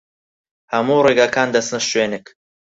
هەموو ڕێگاکان دەچنە شوێنێک.